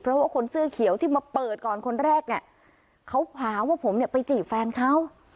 เพราะว่าคนเสื้อเขียวที่มาเปิดก่อนคนแรกเนี่ยเขาหาว่าผมเนี่ยไปจีบแฟนเขา